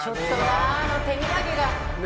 あの手土産がな。